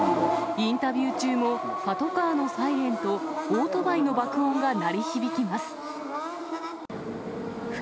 インタビュー中も、パトカーのサイレンと、オートバイの爆音が鳴り響きます。